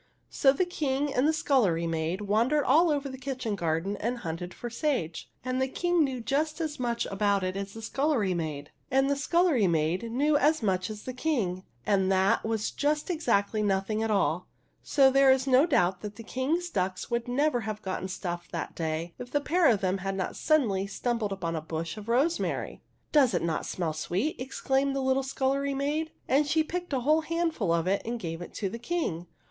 So the King and the scullery maid wandered all over the kitchen garden and hunted for sage. And the King knew just as much about it as the scullery maid, and the scullery maid knew as much as the King, and that was just exactly nothing at all; so there is no doubt that the King's ducks would never have got stuffed that day, if the pair of them had not suddenly stumbled upon a bush of rosemary. " Does it not smell sweet ?" exclaimed the little scullery maid, and she picked a whole handful of it and gave it to the King.